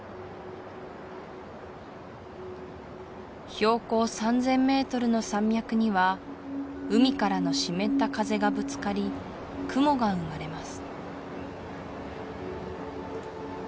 標高３０００ｍの山脈には海からの湿った風がぶつかり雲が生まれます